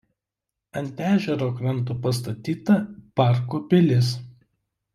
Ant ežero kranto pastatyta Parko pilis.